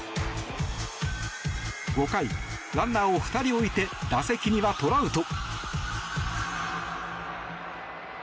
５回、ランナーを２人置いて打席にはトラウト。